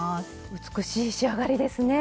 美しい仕上がりですね！